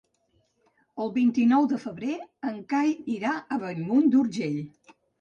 El vint-i-nou de febrer en Cai irà a Bellmunt d'Urgell.